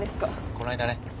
この間ね。